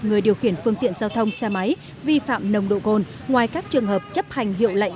người điều khiển phương tiện giao thông xe máy vi phạm nồng độ cồn ngoài các trường hợp chấp hành hiệu lệnh